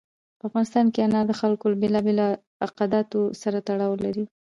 په افغانستان کې انار د خلکو له بېلابېلو اعتقاداتو سره تړاو لري.